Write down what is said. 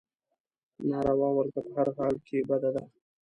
ناروا ولکه په هر حال کې بده ده.